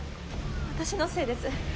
私のせいです